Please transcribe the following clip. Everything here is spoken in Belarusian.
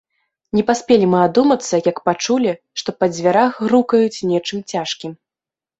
Не паспелі мы адумацца, як пачулі, што па дзвярах грукаюць нечым цяжкім.